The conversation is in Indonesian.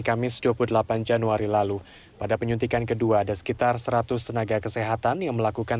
kamis dua puluh delapan januari lalu pada penyuntikan kedua ada sekitar seratus tenaga kesehatan yang melakukan